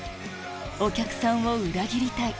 「お客さんを裏切りたい」